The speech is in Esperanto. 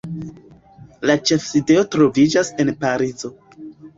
La ĉefsidejo troviĝas en Parizo.